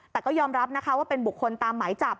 แต่ก็ยอมรับนะคะว่าเป็นบุคคลตามหมายจับ